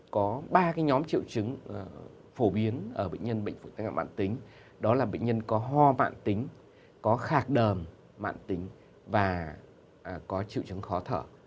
có ba nhóm triệu chứng phổ biến ở bệnh nhân bệnh phổi tắc nghén mạng tính đó là bệnh nhân có ho mạng tính có khạc đờm mạng tính và có triệu chứng khó thở